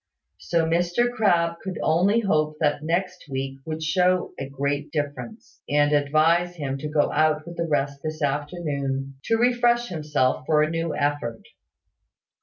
So Mr Crabbe could only hope that next week would show a great difference, and advise him to go out with the rest this afternoon, to refresh himself for a new effort.